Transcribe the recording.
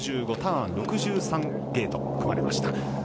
ターン６３ゲート組まれました。